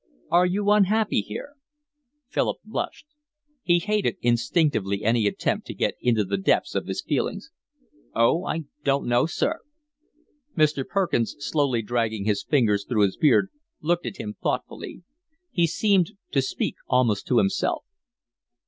"Are you unhappy here?" Philip blushed. He hated instinctively any attempt to get into the depths of his feelings. "Oh, I don't know, sir." Mr. Perkins, slowly dragging his fingers through his beard, looked at him thoughtfully. He seemed to speak almost to himself.